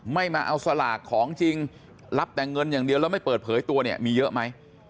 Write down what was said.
ไม่มาเอาสลากของจริงรับแต่เงินอย่างเดียวแล้วไม่เปิดเผยตัวเนี่ยมีเยอะไหม